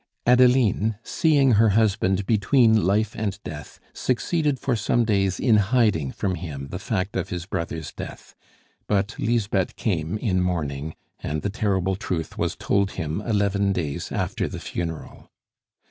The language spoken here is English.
Adeline, seeing her husband between life and death, succeeded for some days in hiding from him the fact of his brother's death; but Lisbeth came, in mourning, and the terrible truth was told him eleven days after the funeral.